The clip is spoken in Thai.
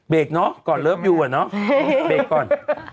เบรกเนอะก่อนรับยูอ่ะเนอะเบรกก่อน